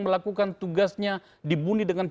melakukan tugasnya dibunuh dengan